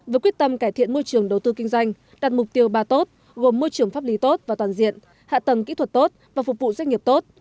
với quyết tâm cải thiện môi trường đầu tư kinh doanh đặt mục tiêu ba tốt gồm môi trường pháp lý tốt và toàn diện hạ tầng kỹ thuật tốt và phục vụ doanh nghiệp tốt